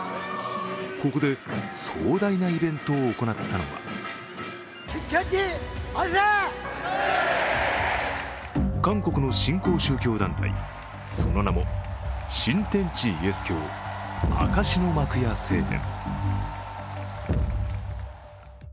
ここで壮大なイベントを行ったのは韓国の新興宗教団体、その名も新天地イエス教証しの幕屋聖殿。